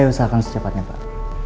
saya usahakan secepatnya pak